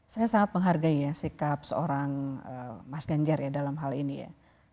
saya sangat menghargai ya sikap seorang mas ganjar ya dalam hal ini ya